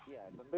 ya tentu itu